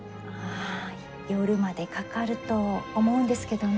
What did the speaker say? あ夜までかかると思うんですけどね。